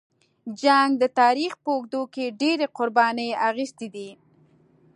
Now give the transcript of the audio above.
جنګ د تاریخ په اوږدو کې ډېرې قربانۍ اخیستې دي.